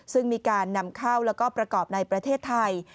ซึ่งมีการนำเข้าแล้วก็ประกอบในประเทศไทย